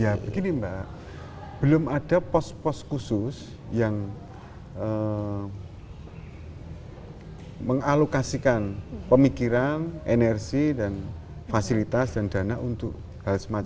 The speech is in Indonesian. ya begini mbak belum ada pos pos khusus yang mengalokasikan pemikiran energi dan fasilitas dan dana untuk hal semacam ini